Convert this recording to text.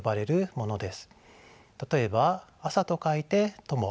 例えば「朝」と書いて「とも」。